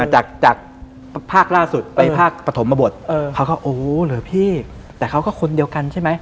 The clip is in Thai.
จากจากภาคล่าสุดไปภาคปฐมบทเขาก็โอ้เหรอพี่แต่เขาก็คนเดียวกันใช่ไหม